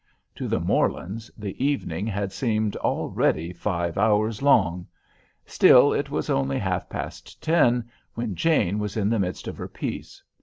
To the Morlands the evening had seemed already five hours long. Still it was only half past ten when Jane was in the midst of her piece.